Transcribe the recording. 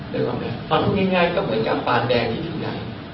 เรียกว่าไงพอพูดง่ายก็เหมือนกับปานแดงที่อยู่ในนั้น